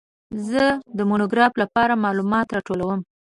زه د مونوګراف لپاره معلومات راټولوم.